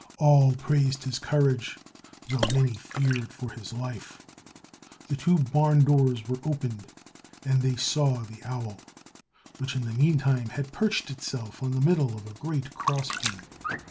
All praised his courage, though many feared for his life. The two barn doors were opened, and they saw the owl, which in the meantime had perched herself on the middle of a great cross beam.